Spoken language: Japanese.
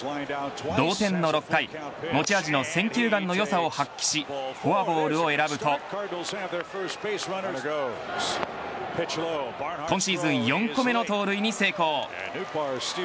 同点の６回、持ち味の選球眼のよさを発揮しフォアボールを選ぶと今シーズン４個目の盗塁に成功。